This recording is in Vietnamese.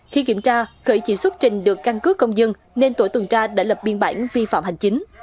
khi kiểm tra khởi chỉ xuất trình được căn cứ công dân nên tổ tuần tra đã lập biên bản vi phạm hành chính